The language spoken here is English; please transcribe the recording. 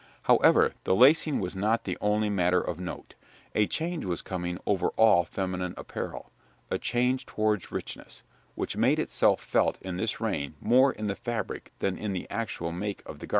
However, the lacing was not the only matter of note. A change was coming over all feminine apparel a change towards richness, which made itself felt in this reign more in the fabric than in the actual make of the garment.